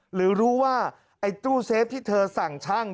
หรือรู้ว่าไอ้ตู้เซฟที่เธอสั่งช่าง